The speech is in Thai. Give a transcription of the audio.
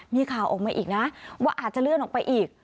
มีข่าวออกมาอีกนะว่าอาจจะเลื่อนออกไปอีก